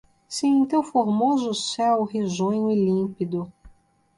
Se em teu formoso céu, risonho e límpido